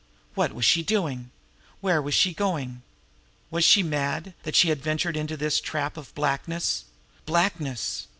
What was she doing? Where was she going? Was she mad, that she had ventured into this trap of blackness? Blackness!